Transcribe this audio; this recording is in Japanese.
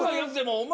「お前」。